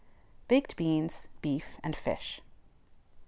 BAKED BEANS, BEEF, AND FISH.